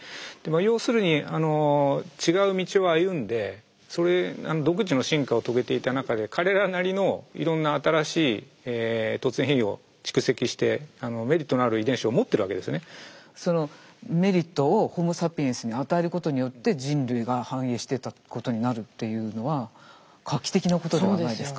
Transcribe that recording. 要するに違う道を歩んでそれ独自の進化を遂げていた中でそのメリットをホモ・サピエンスに与えることによって人類が繁栄していったことになるっていうのは画期的なことではないですか？